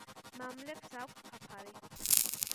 მამლებს აქვთ ფაფარი.